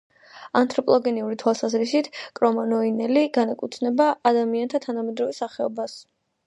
ანთროპოლოგიური თვალსაზრისით კრომანიონელი განეკუთვნება ადამიანთა თანამედროვე სახეობას.